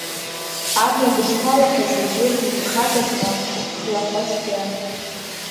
Абна дышԥалахыз, аӡәыр диԥырхагазма, хлаҳәа-цәгьа…